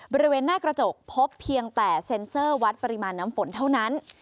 บริเวณหน้ากระจกพบเพียงแต่เซ็นเซอร์วัดปริมาณน้ำฝนเท่านั้น